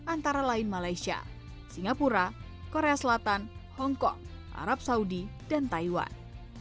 antara lain malaysia singapura korea selatan hongkong arab saudi dan taiwan